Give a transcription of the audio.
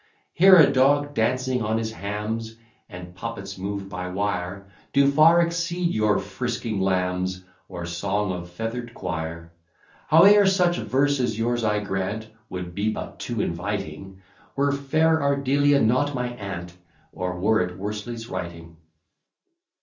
IV Here a Dog dancing on his hams And puppets mov'd by wire, Do far exceed your frisking lambs, Or song of feather'd quire. V Howe'er, such verse as yours I grant Would be but too inviting: Were fair Ardelia not my Aunt, Or were it Worsley's writing.